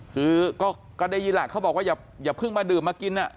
คือก็ได้ยินแหละเขาบอกว่าอย่าเพิ่งมาดื่มมากิน